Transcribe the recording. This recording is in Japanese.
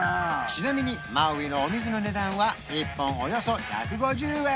ちなみにマウイのお水の値段は１本およそ１５０円